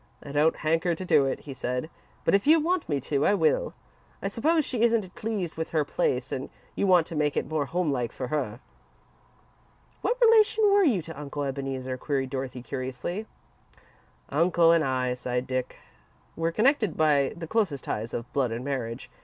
"I don't hanker to do it," he said, "but if you want me to, I will. I suppose she isn't pleased with her place and you want to make it more homelike for her." "What relation were you to Uncle Ebeneezer?" queried Dorothy, curiously. "Uncle and I," sighed Dick, "were connected by the closest ties of blood and marriage.